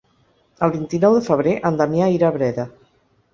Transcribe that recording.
El vint-i-nou de febrer en Damià irà a Breda.